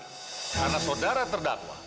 karena saudara terdakwa